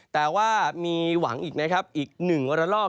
แต่ว่ามีหวังอีกนะครับอีกหนึ่งระลอก